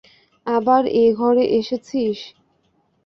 আবার এ ঘরে এসেছিস!